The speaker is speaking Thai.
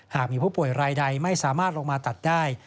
หากมีผู้ป่วยรายใดไม่สามารถลงมาตัดได้